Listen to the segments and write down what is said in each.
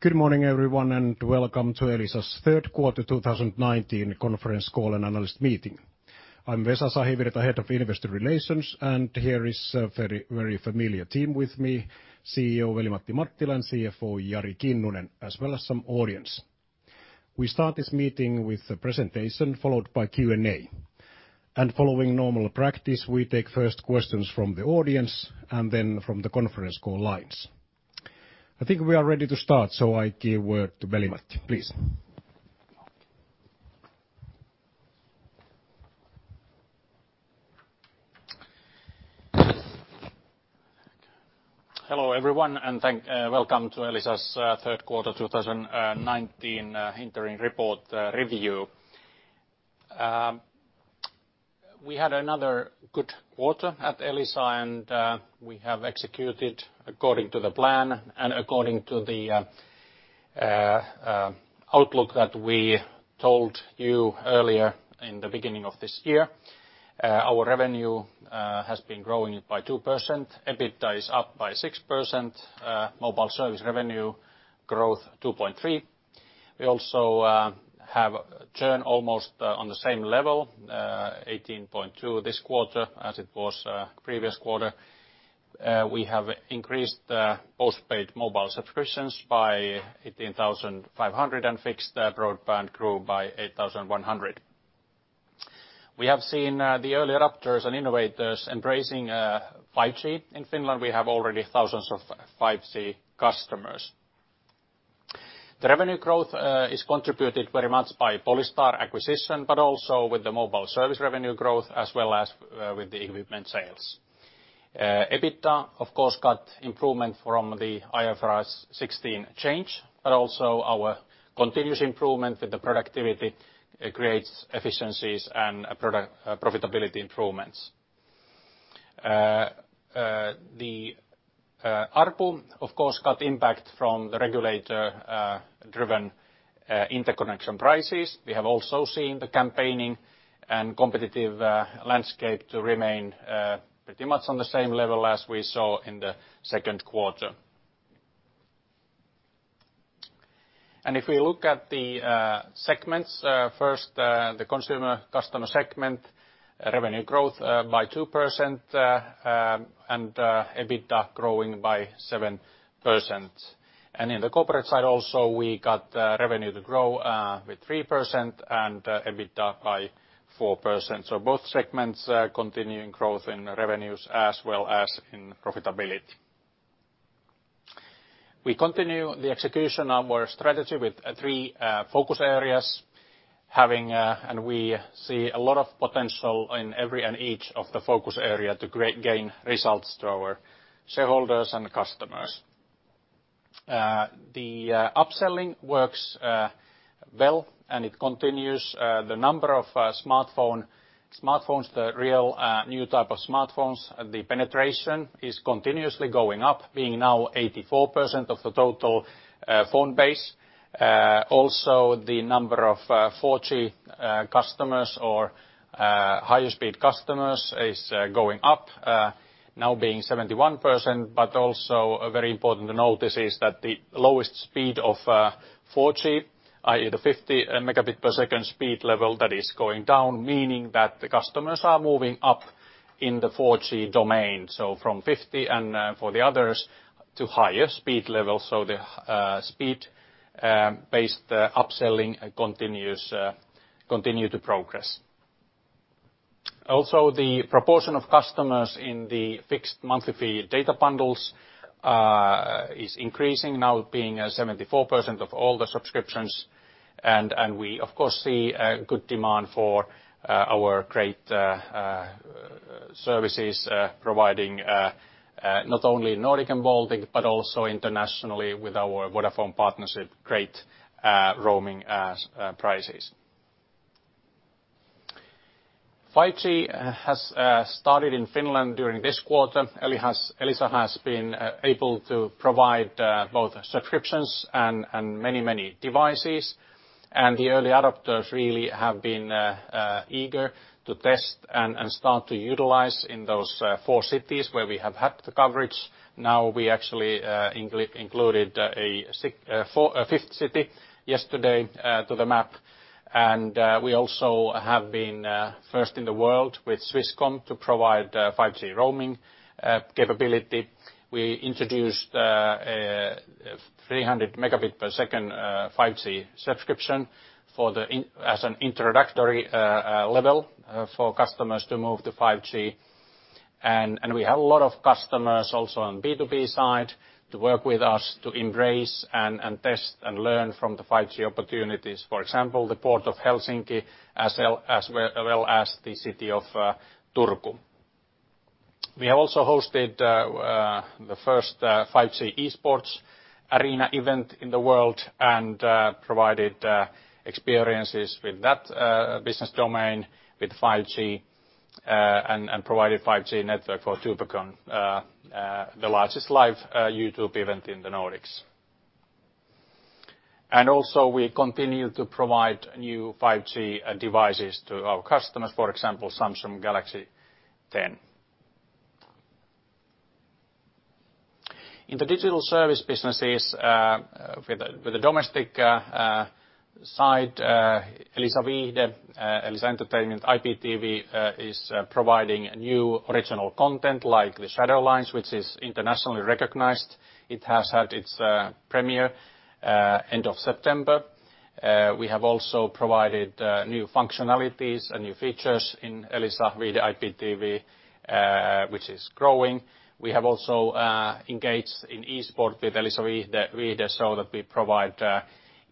Good morning, everyone, and welcome to Elisa's third quarter 2019 conference call and analyst meeting. I'm Vesa Sahivirta, Head of Investor Relations, and here is a very familiar team with me, CEO Veli-Matti Mattila, and CFO Jari Kinnunen, as well as some audience. We start this meeting with the presentation, followed by Q&A. Following normal practice, we take first questions from the audience, and then from the conference call lines. I think we are ready to start. I give word to Veli-Matti, please. Hello, everyone, and welcome to Elisa's third quarter 2019 interim report review. We had another good quarter at Elisa, and we have executed according to the plan and according to the outlook that we told you earlier in the beginning of this year. Our revenue has been growing by 2%. EBITDA is up by 6%. Mobile service revenue growth 2.3%. We also have churn almost on the same level, 18.2% this quarter as it was previous quarter. We have increased postpaid mobile subscriptions by 18,500, and fixed broadband grew by 8,100. We have seen the early adopters and innovators embracing 5G in Finland. We have already thousands of 5G customers. The revenue growth is contributed very much by Polystar acquisition, but also with the mobile service revenue growth, as well as with the equipment sales. EBITDA, of course, got improvement from the IFRS 16 change. Also our continuous improvement with the productivity creates efficiencies and profitability improvements. The ARPU, of course, got impact from the regulator-driven interconnection prices. We have also seen the campaigning and competitive landscape to remain pretty much on the same level as we saw in the second quarter. If we look at the segments, first, the consumer customer segment, revenue growth by 2% and EBITDA growing by 7%. In the corporate side also, we got revenue to grow with 3% and EBITDA by 4%. Both segments continuing growth in revenues as well as in profitability. We continue the execution of our strategy with three focus areas. We see a lot of potential in every and each of the focus area to gain results to our shareholders and customers. The upselling works well. It continues. The number of smartphones, the real new type of smartphones, the penetration is continuously going up, being now 84% of the total phone base. The number of 4G customers or higher speed customers is going up, now being 71%. Also very important to notice is that the lowest speed of 4G, i.e., the 50 Mbps speed level, that is going down, meaning that the customers are moving up in the 4G domain. From 50 for the others to higher speed levels. The speed-based upselling continue to progress. The proportion of customers in the fixed monthly fee data bundles is increasing, now being 74% of all the subscriptions. We of course see good demand for our great services, providing not only Nordic and Baltic, but also internationally with our Vodafone partnership, great roaming prices. 5G has started in Finland during this quarter. Elisa has been able to provide both subscriptions and many devices. The early adopters really have been eager to test and start to utilize in those four cities where we have had the coverage. Now we actually included a fifth city yesterday to the map. We also have been first in the world with Swisscom to provide 5G roaming capability. We introduced a 300 Mbps 5G subscription as an introductory level for customers to move to 5G. We have a lot of customers also on B2B side to work with us to embrace and test and learn from the 5G opportunities, for example, the Port of Helsinki, as well as the city of Turku. We have also hosted the first 5G e-sports arena event in the world and provided experiences with that business domain with 5G, and provided 5G network for Tubecon, the largest live YouTube event in the Nordics. Also we continue to provide new 5G devices to our customers, for example, Samsung Galaxy S10. In the digital service businesses, with the domestic side, Elisa Viihde, IPTV is providing new original content like "The Shadow Lines," which is internationally recognized. It has had its premiere end of September. We have also provided new functionalities and new features in Elisa Viihde IPTV, which is growing. We have also engaged in e-sports with Elisa Viihde so that we provide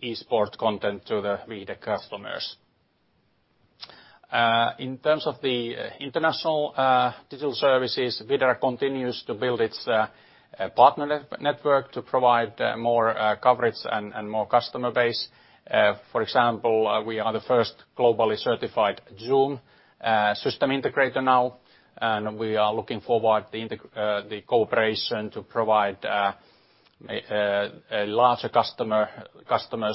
e-sports content to the Viihde customers. In terms of the international digital services, Vidar continues to build its partner network to provide more coverage and more customer base. For example, we are the first globally certified Zoom system integrator now. We are looking forward to the cooperation to provide larger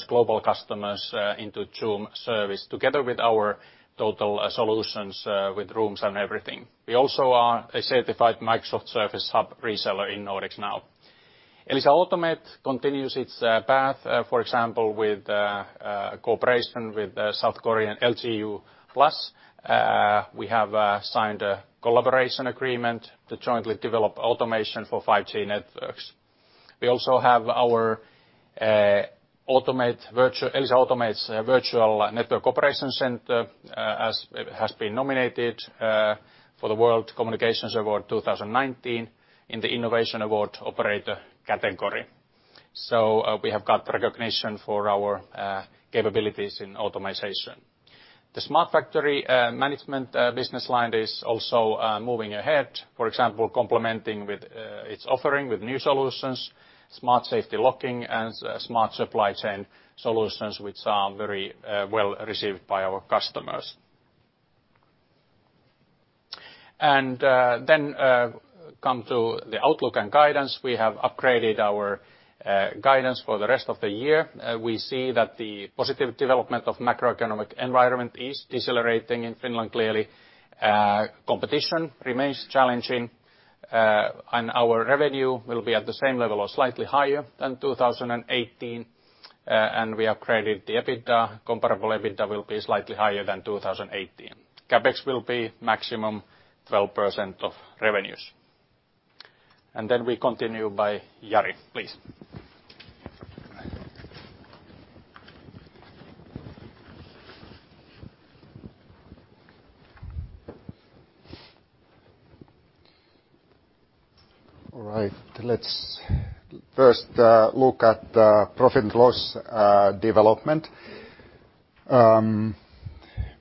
global customers into Zoom service together with our total solutions with rooms and everything. We also are a certified Microsoft Surface Hub reseller in Nordics now. Elisa Automate continues its path, for example, with a cooperation with South Korean LG Uplus. We have signed a collaboration agreement to jointly develop automation for 5G networks. We also have our Elisa Automate virtual network operations center, as it has been nominated for the World Communication Awards 2019 in the Innovation Award - Operator category. We have got recognition for our capabilities in automatization. The smart factory management business line is also moving ahead. For example, complementing its offering with new solutions, smart safety locking and smart supply chain solutions, which are very well-received by our customers. Come to the outlook and guidance. We have upgraded our guidance for the rest of the year. We see that the positive development of macroeconomic environment is decelerating in Finland clearly. Competition remains challenging, our revenue will be at the same level or slightly higher than 2018. We upgraded the EBITDA, comparable EBITDA will be slightly higher than 2018. CapEx will be maximum 12% of revenues. We continue by Jari, please. All right. Let's first look at the profit and loss development.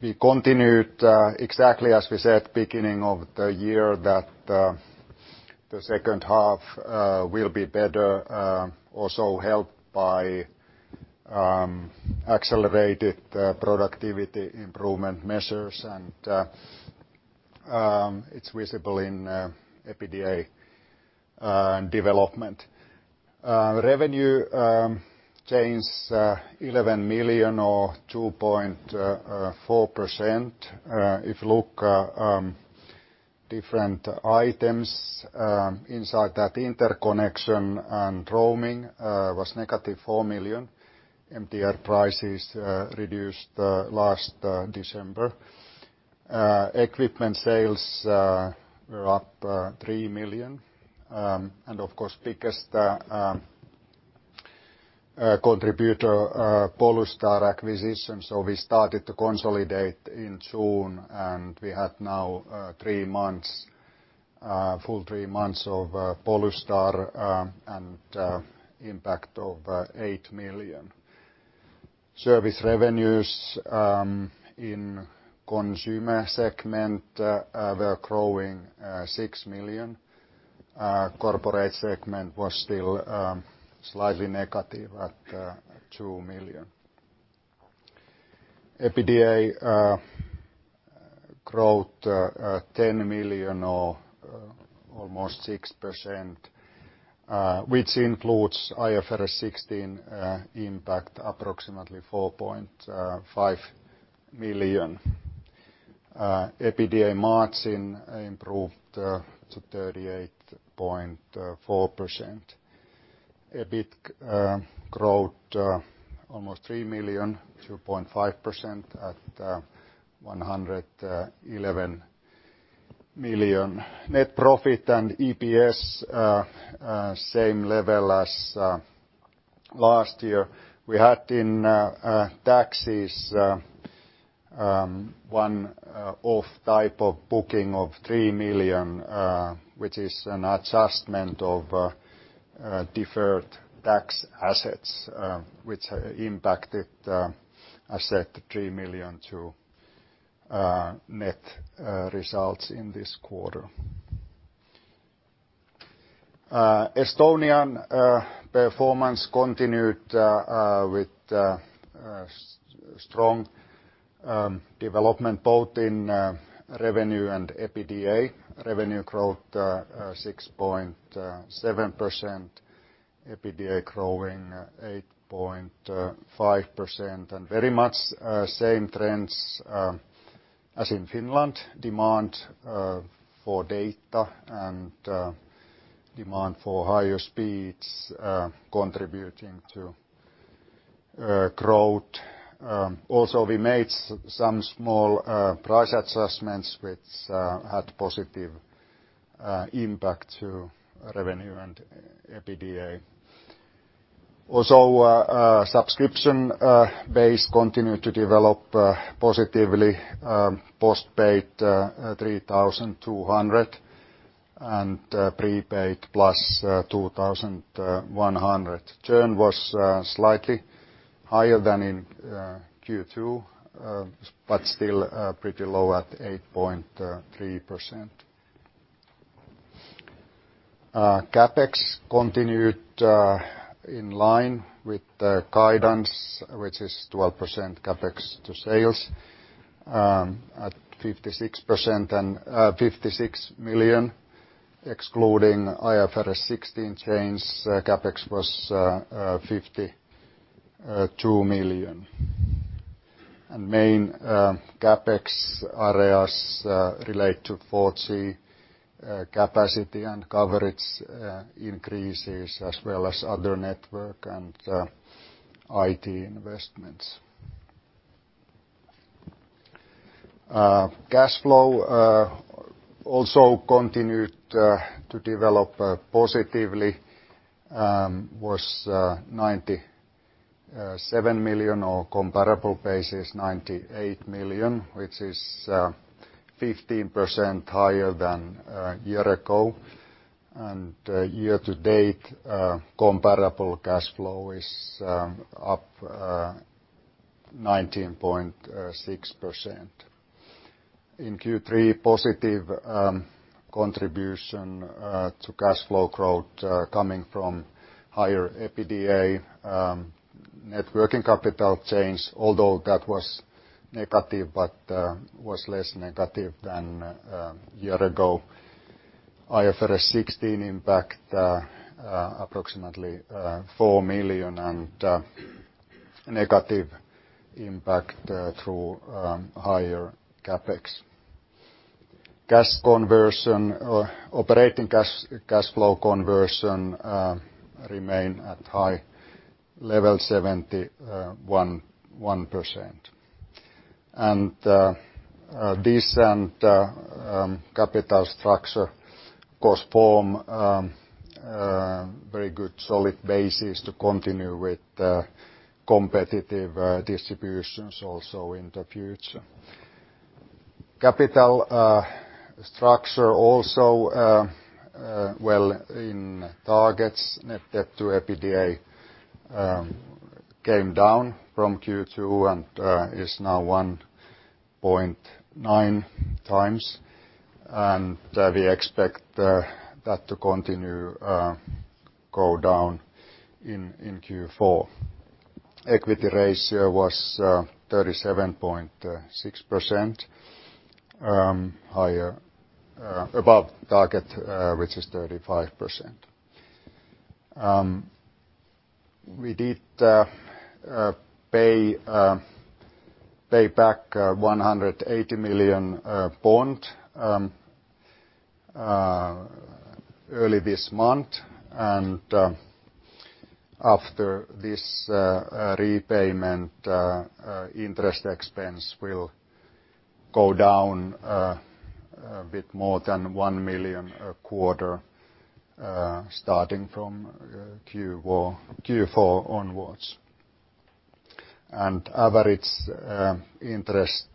We continued exactly as we said beginning of the year, that the second half will be better, also helped by accelerated productivity improvement measures. It's visible in EBITDA development. Revenue change EUR 11 million or 2.4%. If you look different items inside that interconnection and roaming was -4 million. MTR prices reduced last December. Equipment sales were up 3 million. Of course, biggest contributor, Polystar acquisition. We started to consolidate in June, and we had now full three months of Polystar, and impact of 8 million. Service revenues in consumer segment were growing 6 million. Corporate segment was still slightly negative at EUR 2 million. EBITDA growth 10 million or almost 6%, which includes IFRS 16 impact approximately EUR 4.5 million. EBITDA margin improved to 38.4%. EBIT growth almost 3 million, 2.5% at 111 million. Net profit and EPS, same level as last year. We had in taxes one-off type of booking of 3 million, which is an adjustment of deferred tax assets, which impacted, I said, 3 million to net results in this quarter. Estonian performance continued with strong development both in revenue and EBITDA. Revenue growth 6.7%, EBITDA growing 8.5%, very much same trends as in Finland. Demand for data and demand for higher speeds contributing to growth. We made some small price adjustments, which had positive impact to revenue and EBITDA. Subscription base continued to develop positively. Postpaid 3,200 and prepaid +2,100. Churn was slightly higher than in Q2, but still pretty low at 8.3%. CapEx continued in line with the guidance, which is 12% CapEx to sales, at EUR 56 million. Excluding IFRS 16 change, CapEx was EUR 52 million. Main CapEx areas relate to 4G capacity and coverage increases, as well as other network and IT investments. Cash flow also continued to develop positively, was 97 million, or comparable basis 98 million, which is 15% higher than a year ago. Year to date, comparable cash flow is up 19.6%. In Q3, positive contribution to cash flow growth coming from higher EBITDA. Net working capital change, although that was negative, but was less negative than a year ago. IFRS 16 impact approximately 4 million, and negative impact through higher CapEx. Operating cash flow conversion remain at high level, 71%. Decent capital structure, of course, form a very good solid basis to continue with competitive distributions also in the future. Capital structure also well in targets. Net debt to EBITDA came down from Q2 and is now 1.9x. We expect that to continue go down in Q4. Equity ratio was 37.6% higher, above target which is 35%. We did pay back EUR 180 million bond early this month. After this repayment, interest expense will go down a bit more than 1 million a quarter, starting from Q4 onwards. Average interest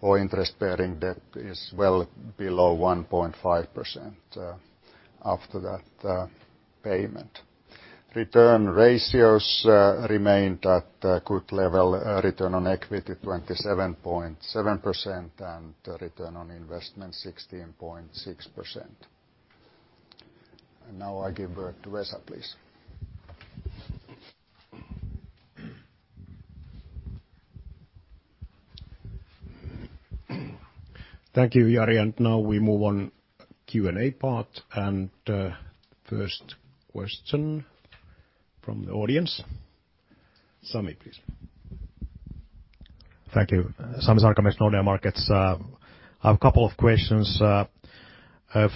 or interest-bearing debt is well below 1.5% after that payment. Return ratios remained at a good level. Return on equity 27.7% and return on investment 16.6%. Now I give word to Vesa, please. Thank you, Jari. Now we move on Q&A part. First question from the audience. Sami, please. Thank you. Sami Sarkamies, Nordea Markets. I have a couple of questions.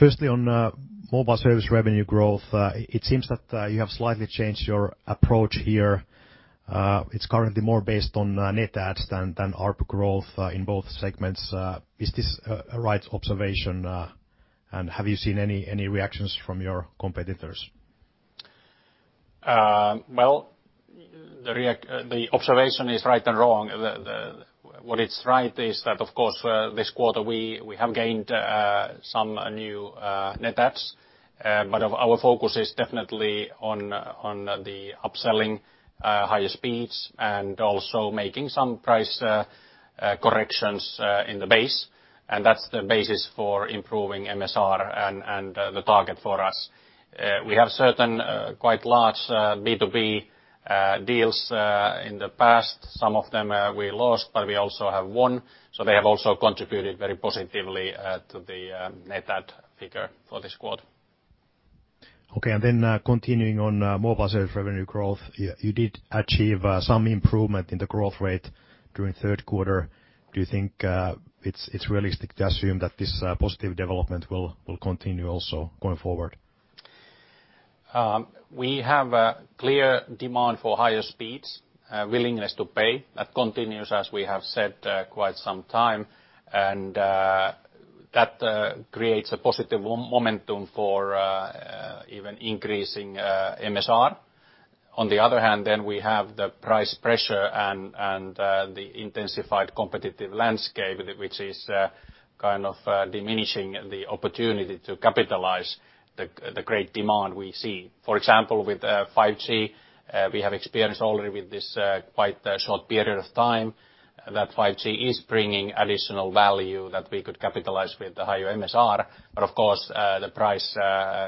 Firstly, on mobile service revenue growth, it seems that you have slightly changed your approach here. It's currently more based on net adds than ARPU growth in both segments. Is this a right observation? Have you seen any reactions from your competitors? Well, the observation is right and wrong. What is right is that, of course, this quarter we have gained some new net adds, but our focus is definitely on the upselling higher speeds and also making some price corrections in the base, and that's the basis for improving MSR and the target for us. We have certain quite large B2B deals in the past. Some of them we lost, but we also have won, so they have also contributed very positively to the net add figure for this quarter. Okay. Continuing on mobile service revenue growth, you did achieve some improvement in the growth rate during third quarter. Do you think it's realistic to assume that this positive development will continue also going forward? We have a clear demand for higher speeds, willingness to pay. That continues, as we have said quite some time, and that creates a positive momentum for even increasing MSR. On the other hand, we have the price pressure and the intensified competitive landscape, which is diminishing the opportunity to capitalize the great demand we see. For example, with 5G, we have experience already with this quite short period of time, that 5G is bringing additional value that we could capitalize with the higher MSR, but of course, the price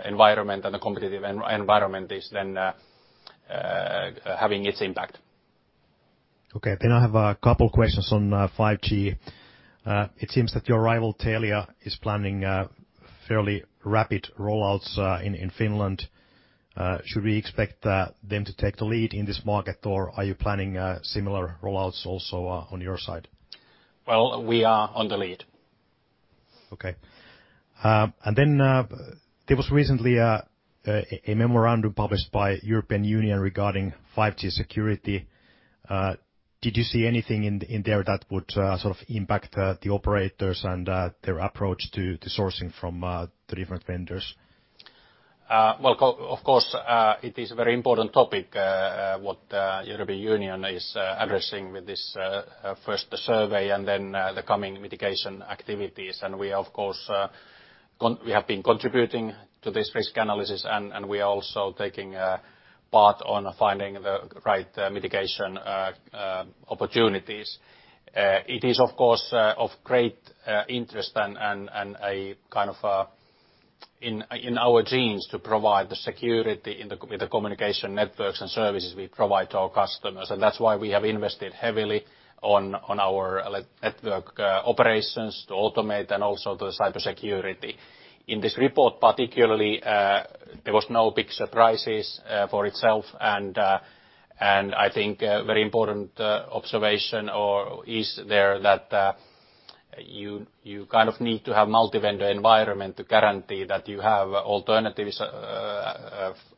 environment and the competitive environment is then having its impact. I have a couple questions on 5G. It seems that your rival, Telia, is planning fairly rapid roll-outs in Finland. Should we expect them to take the lead in this market, or are you planning similar roll-outs also on your side? Well, we are on the lead. Okay. There was recently a memorandum published by European Union regarding 5G security. Did you see anything in there that would sort of impact the operators and their approach to sourcing from the different vendors? Well, of course, it is a very important topic what European Union is addressing with this first survey and then the coming mitigation activities. We have been contributing to this risk analysis, and we are also taking part on finding the right mitigation opportunities. It is of great interest and in our genes to provide the security in the communication networks and services we provide to our customers. That's why we have invested heavily on our network operations to automate and also the cybersecurity. In this report particularly, there was no big surprises for itself, and I think a very important observation is there that you need to have multi-vendor environment to guarantee that you have alternatives,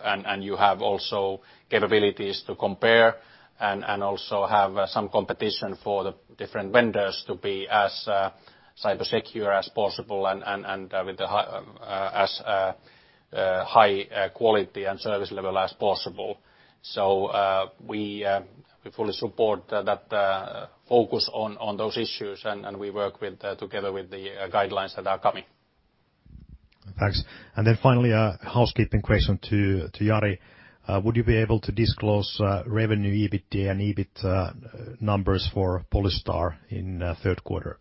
and you have also capabilities to compare, and also have some competition for the different vendors to be as cyber secure as possible and with as high quality and service level as possible. We fully support that focus on those issues, and we work together with the guidelines that are coming. Thanks. Finally, a housekeeping question to Jari. Would you be able to disclose revenue, EBITDA and EBIT numbers for Polystar in third quarter?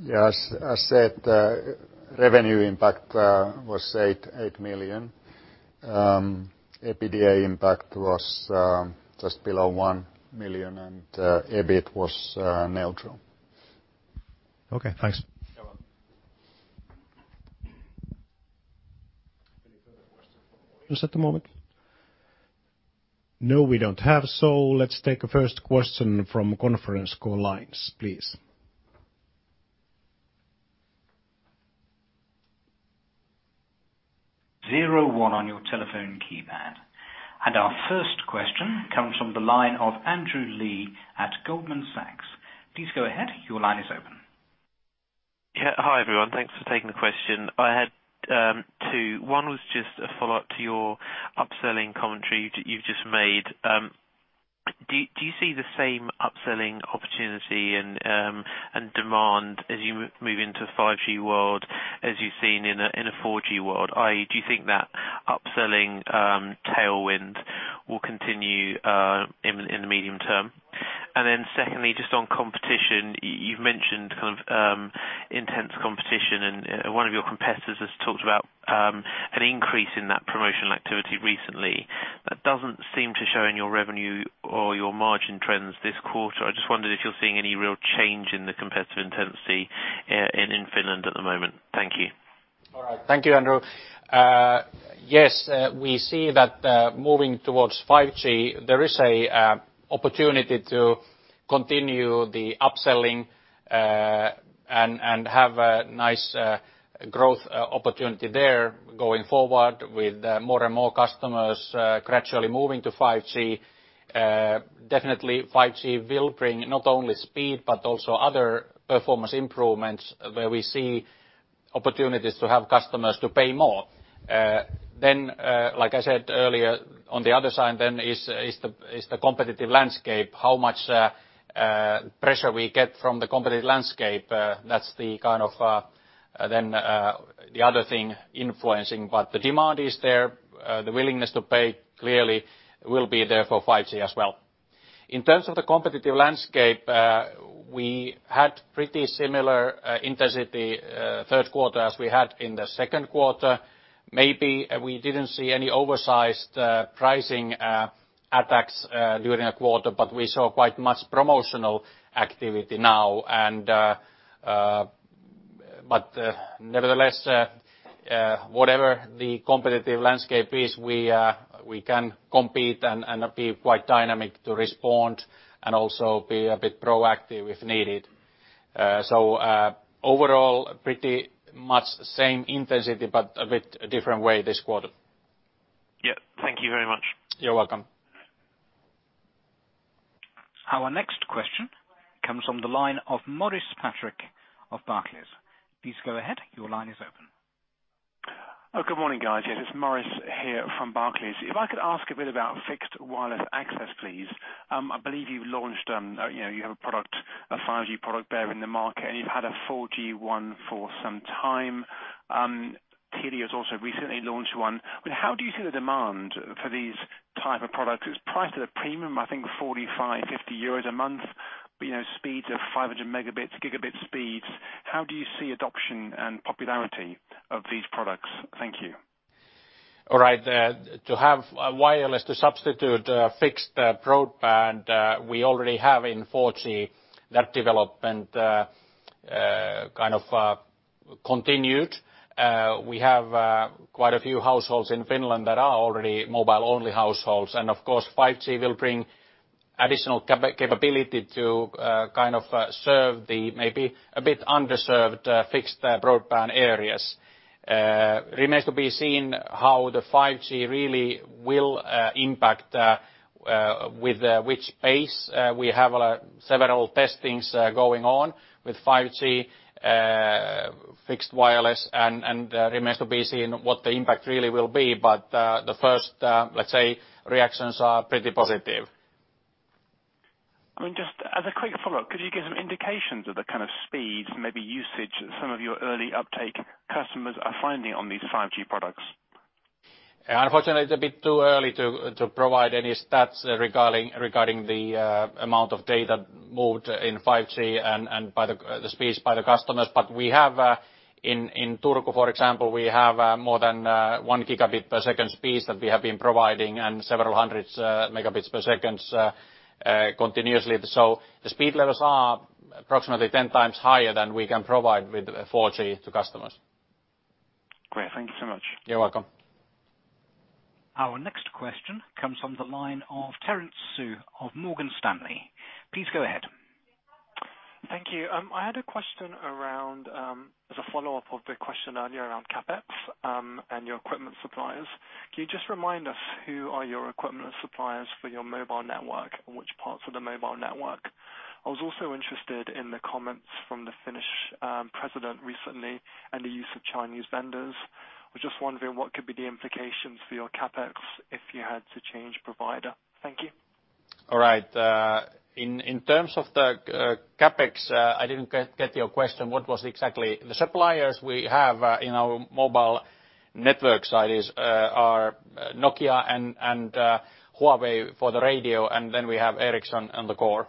Yes. As said, revenue impact was 8 million. EBITDA impact was just below 1 million, and EBIT was neutral. Okay, thanks. You're welcome. Any further questions from the audience at the moment? No, we don't have. Let's take a first question from conference call lines, please. Zero one on your telephone keypad. Our first question comes from the line of Andrew Lee at Goldman Sachs. Please go ahead. Your line is open. Hi, everyone. Thanks for taking the question. I had two. One was just a follow-up to your upselling commentary you've just made. Do you see the same upselling opportunity and demand as you move into 5G world as you've seen in a 4G world? Do you think that upselling tailwind will continue in the medium term? Secondly, just on competition, you've mentioned kind of intense competition and one of your competitors has talked about an increase in that promotional activity recently. That doesn't seem to show in your revenue or your margin trends this quarter. I just wondered if you're seeing any real change in the competitive intensity in Finland at the moment. Thank you. All right. Thank you, Andrew. We see that moving towards 5G, there is a opportunity to continue the upselling and have a nice growth opportunity there going forward with more and more customers gradually moving to 5G. 5G will bring not only speed, but also other performance improvements where we see opportunities to have customers to pay more. Like I said earlier, on the other side then is the competitive landscape, how much pressure we get from the competitive landscape. That's the other thing influencing. The demand is there. The willingness to pay clearly will be there for 5G as well. In terms of the competitive landscape, we had pretty similar intensity third quarter as we had in the second quarter. We didn't see any oversized pricing attacks during the quarter, but we saw quite much promotional activity now. Nevertheless, whatever the competitive landscape is, we can compete and be quite dynamic to respond and also be a bit proactive if needed. Overall, pretty much the same intensity, but a bit different way this quarter. Yeah. Thank you very much. You're welcome. Our next question comes from the line of Maurice Patrick of Barclays. Please go ahead. Your line is open. Oh, good morning, guys. Yeah, it's Maurice here from Barclays. If I could ask a bit about fixed wireless access, please. I believe you have a 5G product there in the market, and you've had a 4G one for some time. Telia has also recently launched one. How do you see the demand for these type of products? It's priced at a premium, I think 45, 50 euros a month, speeds of 500 Mb, gigabit speeds. How do you see adoption and popularity of these products? Thank you. All right. To have wireless to substitute fixed broadband, we already have in 4G that development kind of continued. We have quite a few households in Finland that are already mobile-only households. Of course, 5G will bring additional capability to kind of serve the maybe a bit underserved fixed broadband areas. Remains to be seen how the 5G really will impact with which pace. We have several testings going on with 5G fixed wireless, and remains to be seen what the impact really will be. The first, let's say, reactions are pretty positive. Just as a quick follow-up, could you give some indications of the kind of speeds, maybe usage, some of your early uptake customers are finding on these 5G products? Unfortunately, it's a bit too early to provide any stats regarding the amount of data moved in 5G and the speeds by the customers. In Turku, for example, we have more than one gigabit per second speeds that we have been providing and several hundreds megabits per second continuously. The speed levels are approximately 10x higher than we can provide with 4G to customers. Great. Thank you so much. You're welcome. Our next question comes from the line of Terence Tsui of Morgan Stanley. Please go ahead. Thank you. I had a question as a follow-up of the question earlier around CapEx and your equipment suppliers. Can you just remind us who are your equipment suppliers for your mobile network and which parts of the mobile network? I was also interested in the comments from the Finnish president recently and the use of Chinese vendors. I was just wondering what could be the implications for your CapEx if you had to change provider. Thank you. All right. In terms of the CapEx, I didn't get your question. What was exactly? The suppliers we have in our mobile network side are Nokia and Huawei for the radio. Then we have Ericsson on the core.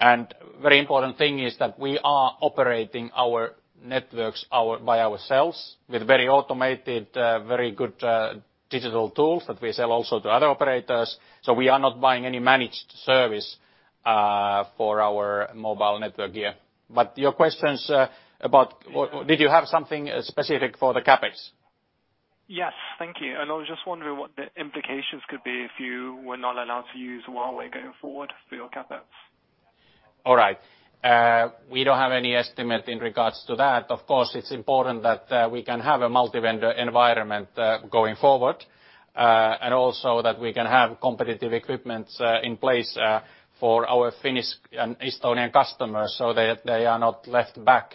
Very important thing is that we are operating our networks by ourselves with very automated, very good digital tools that we sell also to other operators. We are not buying any managed service for our mobile network gear. Did you have something specific for the CapEx? Yes. Thank you. I was just wondering what the implications could be if you were not allowed to use Huawei going forward for your CapEx. All right. We don't have any estimate in regards to that. Of course, it's important that we can have a multi-vendor environment going forward, and also that we can have competitive equipment in place for our Finnish and Estonian customers so they are not left back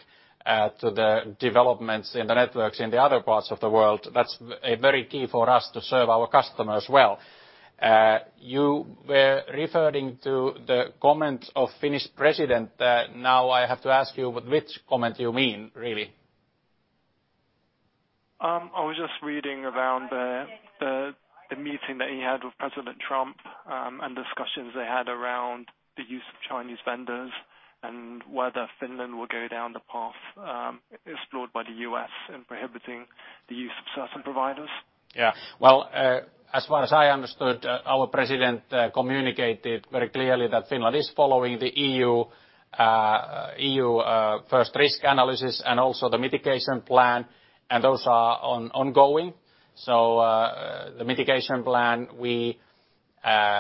to the developments in the networks in the other parts of the world. That's very key for us to serve our customers well. You were referring to the comment of Finnish president. Now I have to ask you, which comment you mean, really? I was just reading around the meeting that he had with President Trump and discussions they had around the use of Chinese vendors and whether Finland will go down the path explored by the U.S. in prohibiting the use of certain providers. Well, as far as I understood, our president communicated very clearly that Finland is following the EU first risk analysis and also the mitigation plan, those are ongoing. The mitigation plan, we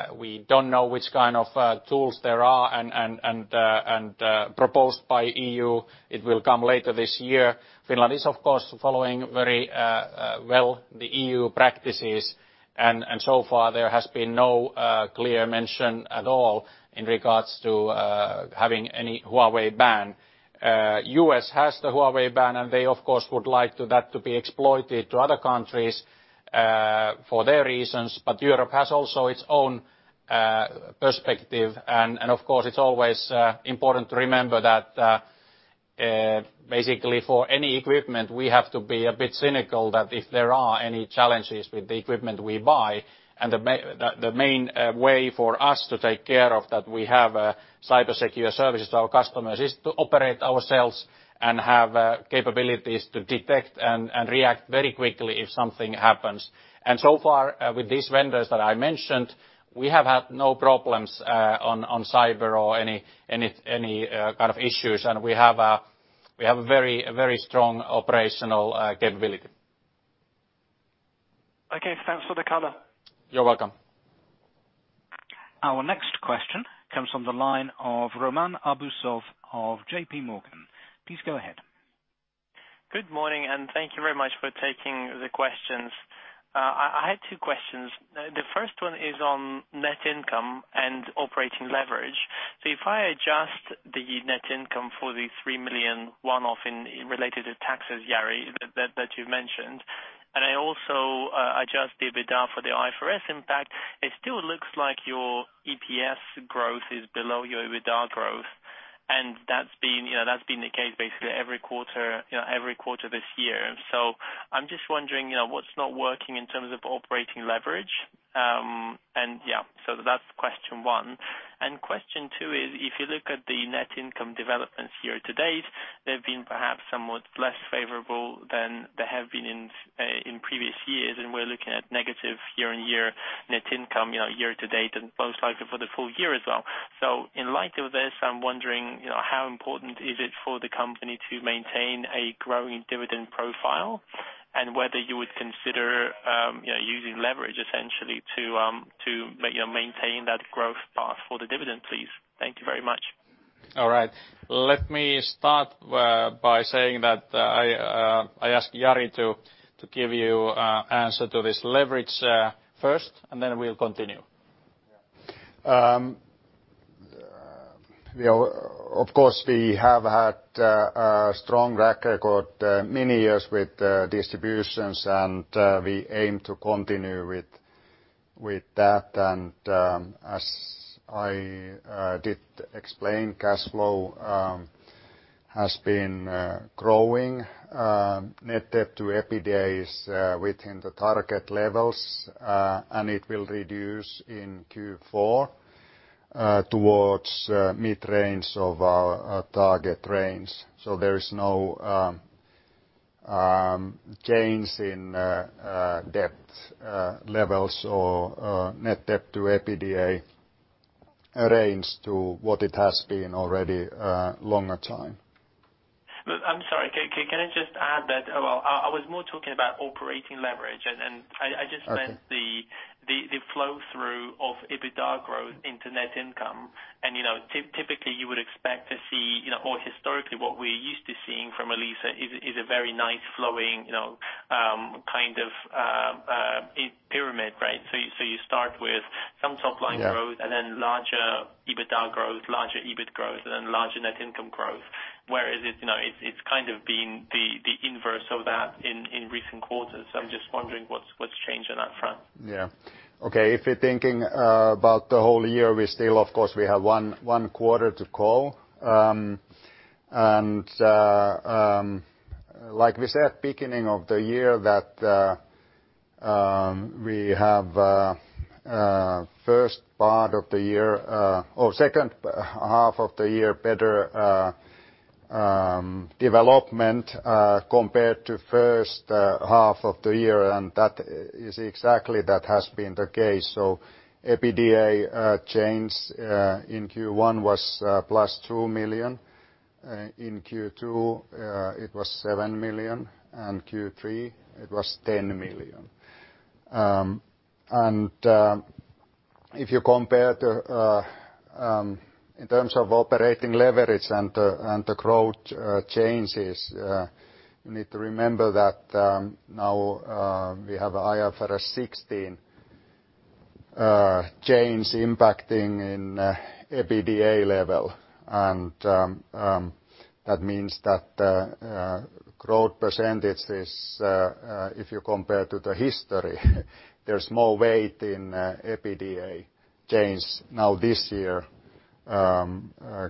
don't know which kind of tools there are and proposed by EU. It will come later this year. Finland is, of course, following very well the EU practices, so far there has been no clear mention at all in regards to having any Huawei ban. The U.S. has the Huawei ban, they of course would like that to be exploited to other countries for their reasons. Europe has also its own perspective. Of course, it's always important to remember that. Basically, for any equipment, we have to be a bit cynical that if there are any challenges with the equipment we buy, and the main way for us to take care of that we have a cybersecure service to our customers is to operate ourselves and have capabilities to detect and react very quickly if something happens. So far, with these vendors that I mentioned, we have had no problems on cyber or any kind of issues. We have a very strong operational capability. Okay. Thanks for the color. You're welcome. Our next question comes from the line of Roman Arbuzov of JPMorgan. Please go ahead. Good morning, thank you very much for taking the questions. I had two questions. The first one is on net income and operating leverage. If I adjust the net income for the 3 million one-off related to taxes, Jari, that you mentioned, and I also adjust the EBITDA for the IFRS impact, it still looks like your EPS growth is below your EBITDA growth. That's been the case basically every quarter this year. I'm just wondering what's not working in terms of operating leverage. That's question one. Question two is, if you look at the net income developments year-to-date, they've been perhaps somewhat less favorable than they have been in previous years, and we're looking at negative year-on-year net income year-to-date and most likely for the full year as well. In light of this, I'm wondering, how important is it for the company to maintain a growing dividend profile and whether you would consider using leverage, essentially, to maintain that growth path for the dividend, please? Thank you very much. All right. Let me start by saying that I ask Jari to give you answer to this leverage first, and then we'll continue. We have had a strong track record many years with distributions. We aim to continue with that. As I did explain, cash flow has been growing. Net debt to EBITDA is within the target levels, and it will reduce in Q4 towards mid-range of our target range. There is no change in debt levels or net debt to EBITDA range to what it has been already a longer time. I'm sorry. Can I just add that I was more talking about operating leverage. Okay. The flow-through of EBITDA growth into net income. Typically, you would expect to see, or historically what we're used to seeing from Elisa is a very nice flowing kind of pyramid, right? You start with some top line. Yeah. Growth and then larger EBITDA growth, larger EBIT growth, and then larger net income growth, whereas it's kind of been the inverse of that in recent quarters. I'm just wondering what's changed on that front. Yeah. Okay. If you're thinking about the whole year, we still, of course, we have one quarter to call. Like we said beginning of the year that we have first part of the year or second half of the year better development compared to first half of the year, and that is exactly that has been the case. EBITDA change in Q1 was +2 million. In Q2, it was 7 million, and Q3 it was 10 million. If you compare in terms of operating leverage and the growth changes, you need to remember that now we have IFRS 16 change impacting in EBITDA level. That means that growth percentage is, if you compare to the history, there's more weight in EBITDA change now this year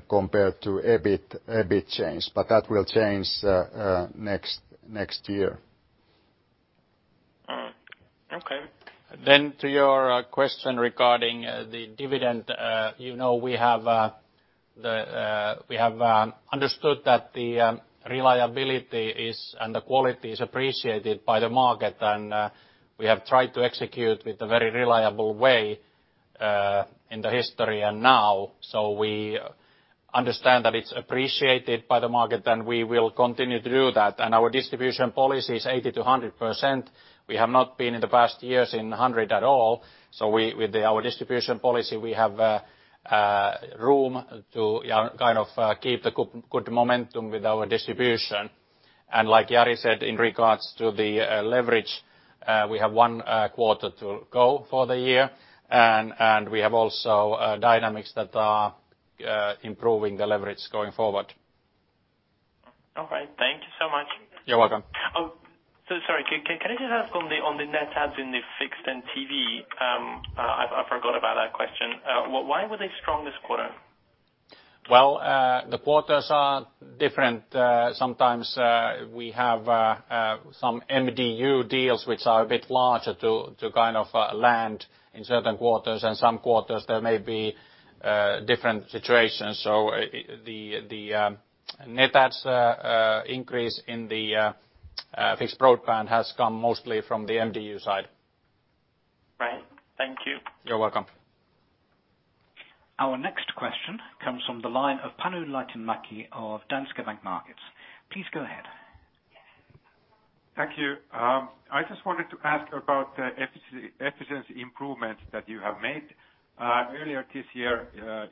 compared to EBIT change. That will change next year. Okay. To your question regarding the dividend. We have understood that the reliability and the quality is appreciated by the market, and we have tried to execute with a very reliable way in the history and now. We understand that it's appreciated by the market, and we will continue to do that. Our distribution policy is 80%-100%. We have not been in the past years in 100% at all. With our distribution policy, we have room to kind of keep the good momentum with our distribution. Like Jari said in regards to the leverage, we have one quarter to go for the year, and we have also dynamics that are improving the leverage going forward. Okay. Thank you so much. You're welcome. Sorry, can I just ask on the net adds in the fixed and TV? I forgot about that question. Why were they strong this quarter? Well, the quarters are different. Sometimes we have some MDU deals which are a bit larger to land in certain quarters, and some quarters there may be different situations. The net adds increase in the fixed broadband has come mostly from the MDU side. Right. Thank you. You're welcome. Our next question comes from the line of Panu Laitinmäki of Danske Bank Markets. Please go ahead. Thank you. I just wanted to ask about the efficiency improvements that you have made. Earlier this year,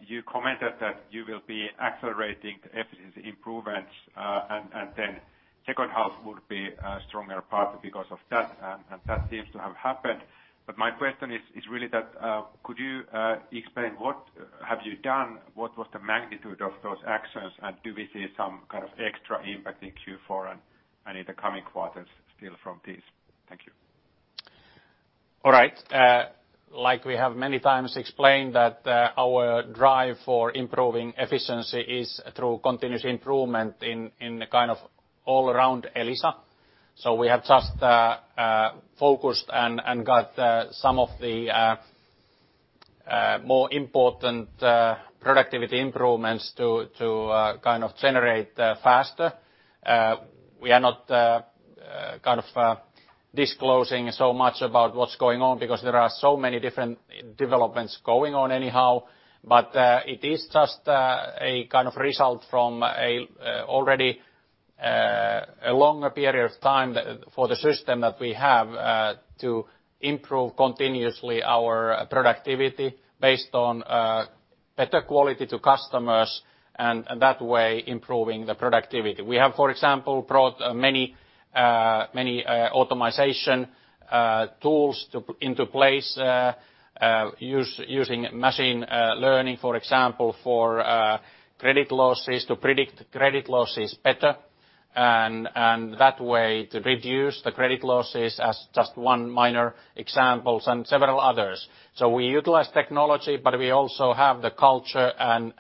you commented that you will be accelerating efficiency improvements, and then second half would be a stronger part because of that, and that seems to have happened. My question is really that, could you explain what have you done, what was the magnitude of those actions, and do we see some kind of extra impact in Q4 and in the coming quarters still from this? Thank you. All right. We have many times explained that our drive for improving efficiency is through continuous improvement in all around Elisa. We have just focused and got some of the more important productivity improvements to generate faster. We are not disclosing so much about what's going on because there are so many different developments going on anyhow. It is just a result from already a longer period of time for the system that we have to improve continuously our productivity based on better quality to customers, and that way improving the productivity. We have, for example, brought many automatization tools into place, using machine learning, for example, for credit losses to predict credit losses better, and that way to reduce the credit losses as just one minor example, and several others. We utilize technology, but we also have the culture and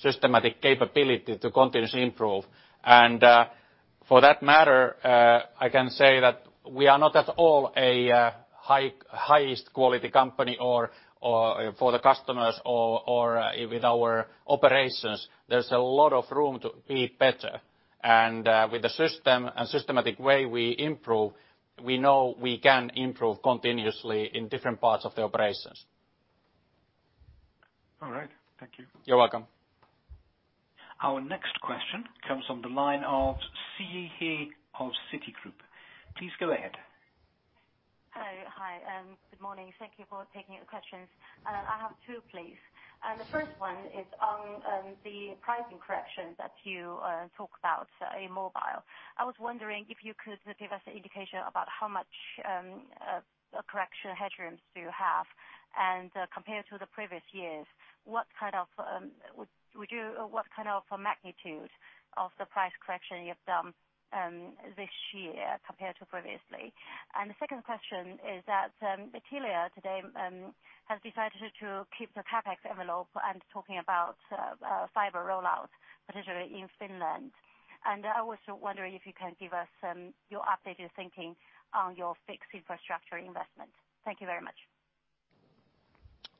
systematic capability to continuously improve. For that matter, I can say that we are not at all a highest quality company for the customers or with our operations. There's a lot of room to be better. With the systematic way we improve, we know we can improve continuously in different parts of the operations. All right. Thank you. You're welcome. Our next question comes from the line of Siyi He of Citigroup. Please go ahead. Hi, good morning. Thank you for taking the questions. I have two, please. The first one is on the pricing corrections that you talked about in mobile. I was wondering if you could give us an indication about how much correction headrooms do you have, and compared to the previous years, what kind of magnitude of the price correction you've done this year compared to previously? The second question is that Telia today has decided to keep the CapEx envelope and talking about fiber rollout, particularly in Finland. I was wondering if you can give us your updated thinking on your fixed infrastructure investment. Thank you very much.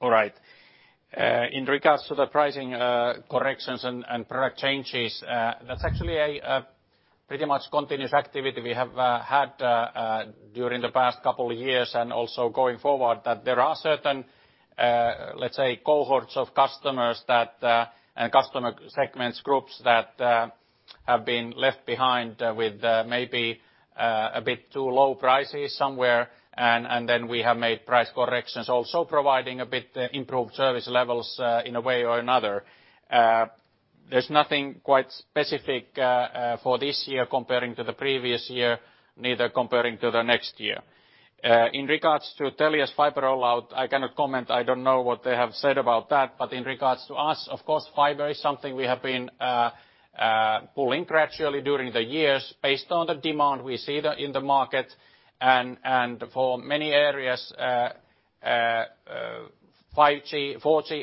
All right. In regards to the pricing corrections and product changes, that's actually a pretty much continuous activity we have had during the past couple of years and also going forward. That there are certain, let's say, cohorts of customers and customer segments groups that have been left behind with maybe a bit too low prices somewhere, and then we have made price corrections, also providing a bit improved service levels in a way or another. There's nothing quite specific for this year comparing to the previous year, neither comparing to the next year. In regards to Telia's fiber rollout, I cannot comment. I don't know what they have said about that. In regards to us, of course, fiber is something we have been pulling gradually during the years based on the demand we see in the market. For many areas, 4G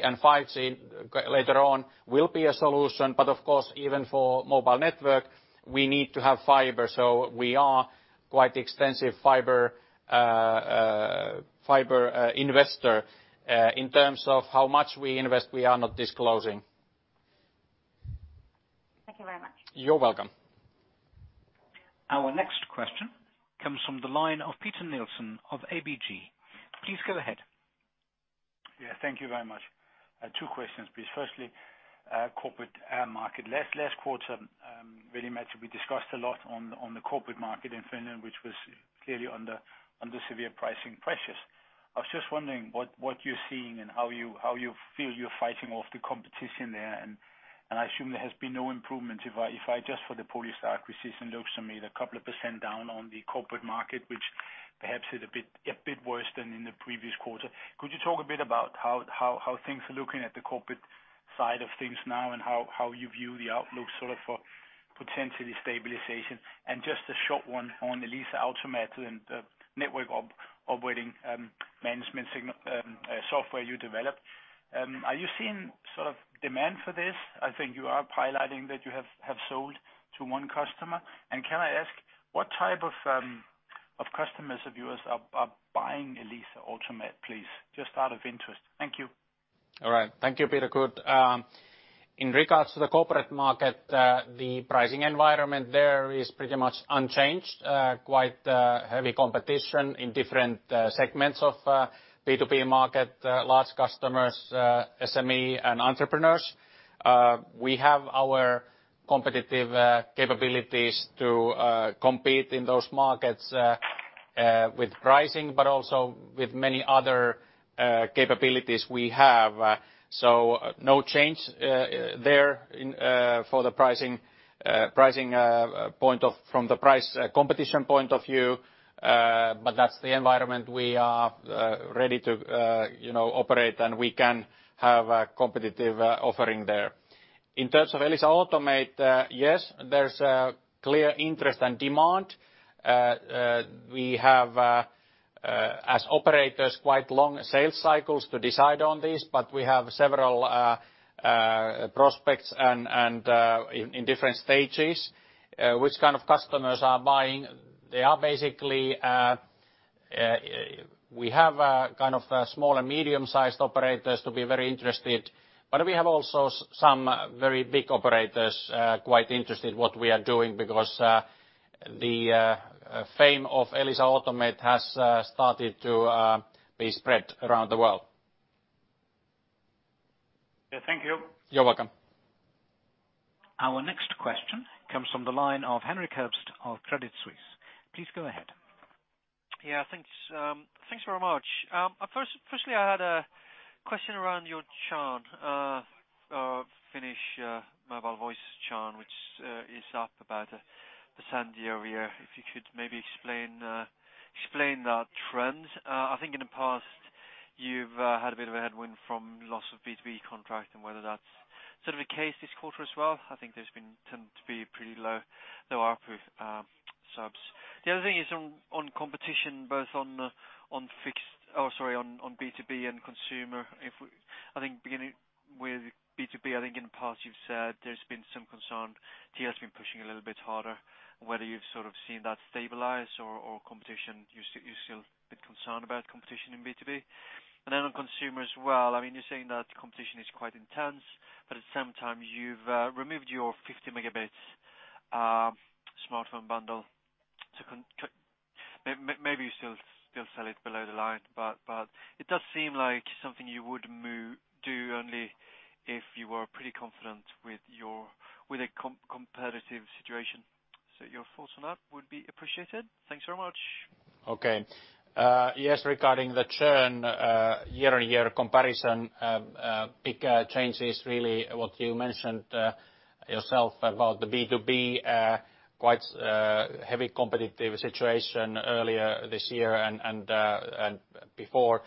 and 5G later on will be a solution. Of course, even for mobile network, we need to have fiber. We are quite extensive fiber investor. In terms of how much we invest, we are not disclosing. Thank you very much. You're welcome. Our next question comes from the line of Peter Nielsen of ABG. Please go ahead. Yeah, thank you very much. Two questions, please. Firstly, corporate market. Last quarter, Veli-Matti, we discussed a lot on the corporate market in Finland, which was clearly under severe pricing pressures. I was just wondering what you're seeing and how you feel you're fighting off the competition there. I assume there has been no improvement. If I just for the Polystar aquisition, looks to me the couple of percent down on the corporate market. Perhaps it's a bit worse than in the previous quarter. Could you talk a bit about how things are looking at the corporate side of things now, and how you view the outlook for potentially stabilization? Just a short one on the Elisa Automate and the network operating management software you developed. Are you seeing demand for this? I think you are highlighting that you have sold to one customer. Can I ask, what type of customers of yours are buying Elisa Automate, please? Just out of interest. Thank you. All right. Thank you, Peter. Good. In regards to the corporate market, the pricing environment there is pretty much unchanged. Quite heavy competition in different segments of B2B market, large customers, SME, and entrepreneurs. We have our competitive capabilities to compete in those markets with pricing, but also with many other capabilities we have. No change there from the price competition point of view, but that's the environment we are ready to operate, and we can have a competitive offering there. In terms of Elisa Automate, yes, there's a clear interest and demand. We have, as operators, quite long sales cycles to decide on this, but we have several prospects and in different stages. Which kind of customers are buying? We have small and medium-sized operators to be very interested, but we have also some very big operators quite interested what we are doing because the fame of Elisa Automate has started to be spread around the world. Yeah, thank you. You're welcome. Our next question comes from the line of Henrik Herbst of Credit Suisse. Please go ahead. Yeah, thanks very much. Firstly, I had a question around your churn, Finnish mobile voice churn, which is up about 1% year-over-year. If you could maybe explain that trend. I think in the past you've had a bit of a headwind from loss of B2B contract and whether that's sort of the case this quarter as well. I think there's been tend to be pretty low ARPU subs. The other thing is on competition, both on B2B and consumer. I think beginning with B2B, I think in the past you've said there's been some concern. Telia's been pushing a little bit harder. Whether you've sort of seen that stabilize or you're still a bit concerned about competition in B2B. On consumer as well, you're saying that competition is quite intense, but at the same time you've removed your 50 Mb smartphone bundle. Maybe you still sell it below the line, but it does seem like something you would do only if you were pretty confident with a competitive situation. Your thoughts on that would be appreciated. Thanks very much. Okay. Yes, regarding the churn year-on-year comparison, big change is really what you mentioned yourself about the B2B, quite heavy competitive situation earlier this year and before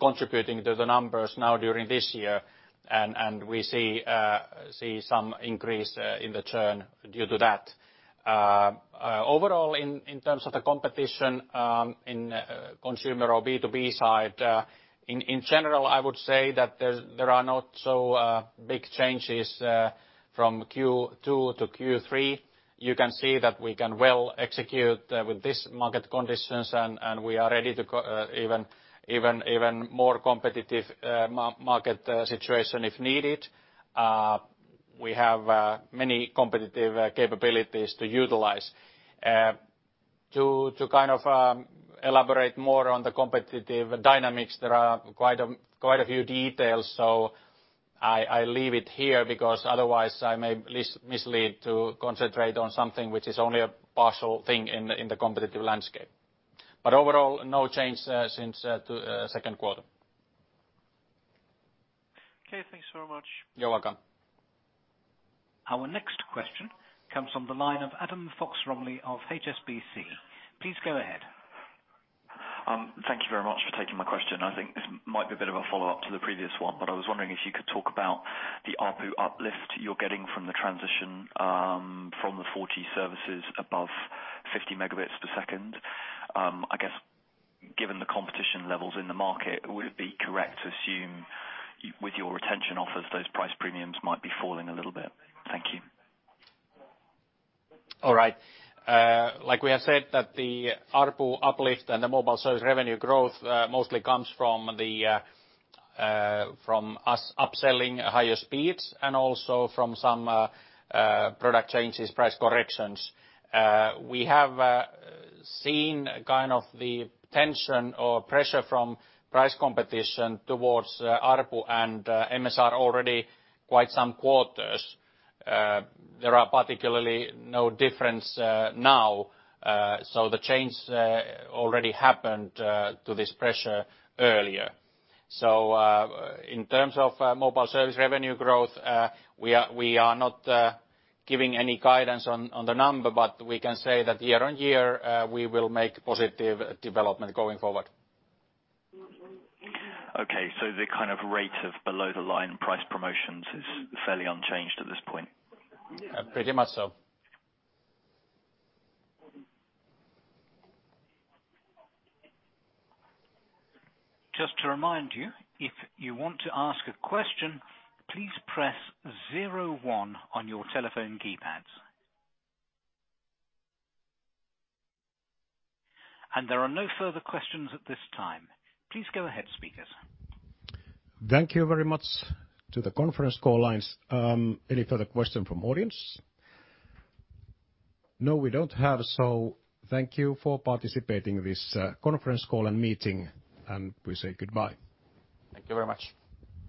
contributing to the numbers now during this year, and we see some increase in the churn due to that. Overall, in terms of the competition in consumer or B2B side, in general, I would say that there are not so big changes from Q2-Q3. You can see that we can well execute with this market conditions, and we are ready to even more competitive market situation if needed. We have many competitive capabilities to utilize. To elaborate more on the competitive dynamics, there are quite a few details, so I leave it here because otherwise I may mislead to concentrate on something which is only a partial thing in the competitive landscape. Overall, no change since the second quarter. Okay, thanks so much. You're welcome. Our next question comes from the line of Adam Fox-Rumley of HSBC. Please go ahead. Thank you very much for taking my question. I think this might be a bit of a follow-up to the previous one. I was wondering if you could talk about the ARPU uplift you're getting from the transition from the 4G services above 50 Mbps. I guess given the competition levels in the market, would it be correct to assume with your retention offers, those price premiums might be falling a little bit? Thank you. All right. Like we have said that the ARPU uplift and the mobile service revenue growth mostly comes from us upselling higher speeds and also from some product changes, price corrections. We have seen the tension or pressure from price competition towards ARPU and MSR already quite some quarters. There are particularly no difference now, the change already happened to this pressure earlier. In terms of mobile service revenue growth, we are not giving any guidance on the number, but we can say that year-on-year, we will make positive development going forward. Okay, the rate of below the line price promotions is fairly unchanged at this point? Pretty much so. Just to remind you, if you want to ask a question, please press zero one on your telephone keypads. There are no further questions at this time. Please go ahead, speakers. Thank you very much to the conference call lines. Any further question from audience? We don't have. Thank you for participating this conference call and meeting. We say goodbye. Thank you very much.